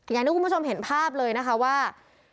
อย่างที่คุณผู้ชมเห็นภาพเลยนะคะว่า